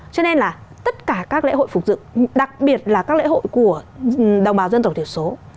cho nên là tất cả các lễ hội phục dựng đặc biệt là các lễ hội của đồng bào dân tộc thiểu số